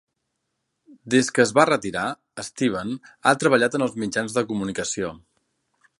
Des que es va retirar, Steven ha treballat en els mitjans de comunicació.